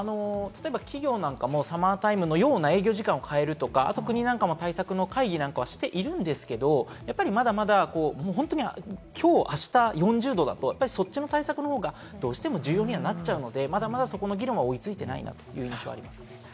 企業なんかもサマータイムのような、営業時間を変えるとか、国も対策会議はしているんですけれども、まだまだ、きょう、あしたが４０度だと、そっちの対策の方がどうしても重要にはなっちゃうので、まだまだ、そこの議論は追いついていないなという印象です。